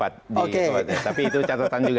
tapi itu catatan juga